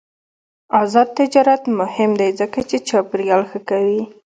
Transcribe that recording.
آزاد تجارت مهم دی ځکه چې چاپیریال ښه کوي.